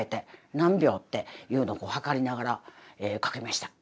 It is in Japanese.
何秒っていうのを計りながら書きました。